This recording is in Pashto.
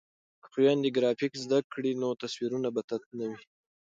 که خویندې ګرافیک زده کړي نو تصویرونه به تت نه وي.